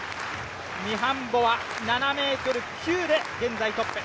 ミハンボは７ｍ９で現在トップ